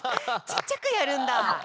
ちっちゃくやるんだ！